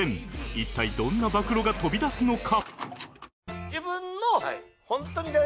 一体どんな暴露が飛び出すのか？